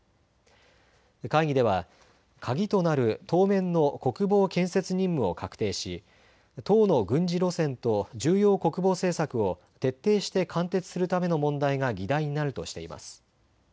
会議では鍵となる当面の国防建設任務を確定し党の軍事路線と重要国防政策を徹底して貫徹するための問題が議題になるとしています。